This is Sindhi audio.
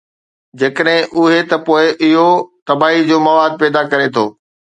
جيڪڏهن آهي، ته پوءِ اهو تباهي جو مواد پيدا ڪري ٿو.